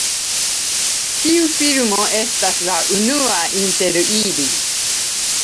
Tiu filmo estas la unua inter ili.